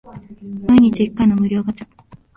毎日一回の無料ガチャ